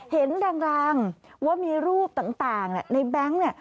เห็นรางว่ามีรูปต่างในแบงค์เนี่ย